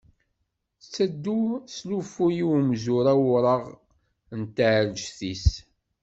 Tetteddu teslufuy i umzur awraɣ n tɛelǧet-is.